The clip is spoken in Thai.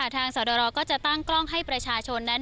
สรก็จะตั้งกล้องให้ประชาชนนั้น